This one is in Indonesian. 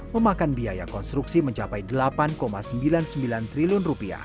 memakan biaya konstruksi mencapai rp delapan sembilan puluh sembilan triliun